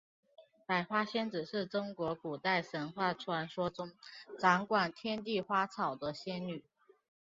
百花仙子是中国古代神话传说中掌管天地花草的仙女。